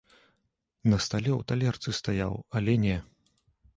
На стале ў талерцы стаяў, але не!